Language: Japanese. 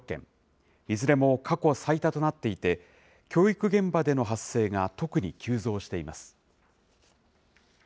いずれも過去最多となっていて、教育現場での発生が特に急増しています。